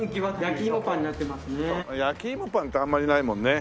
焼き芋パンってあんまりないもんね。